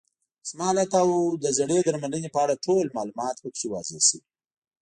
زما حالت او د زړې درملنې په اړه ټول معلومات پکې واضح شوي.